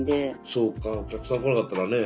そうかお客さん来なかったらね。